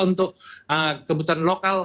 untuk kebutuhan lokal